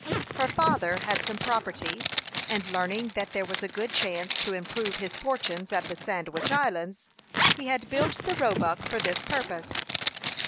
Her father had some property, and learning that there was a good chance to improve his fortunes at the Sandwich Islands, he had built the Roebuck for this purpose.